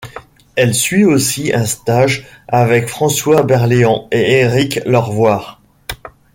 Elle suit aussi un stage avec François Berléand et Éric Lorvoire.